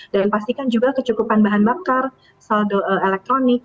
dan pastikan juga kecukupan bahan bakar saldo elektronik